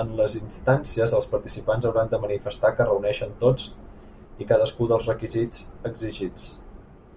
En les instàncies els aspirants hauran de manifestar que reuneixen tots i cadascú dels requisits exigits.